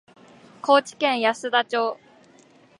高知県安田町